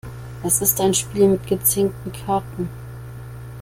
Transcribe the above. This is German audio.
Es ist ein Spiel mit gezinkten Karten.